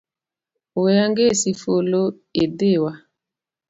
We angesi fulu idhiwa